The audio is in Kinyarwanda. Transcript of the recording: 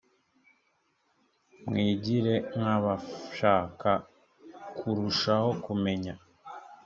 mwigire nkabashaka kurushaho kumenya.